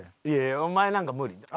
いやいやお前なんか無理。